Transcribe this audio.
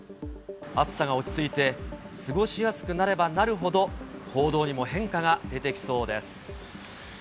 暑さが落ち着いて、過ごしやすくなればなるほど、行動にも変化が出てきそうです。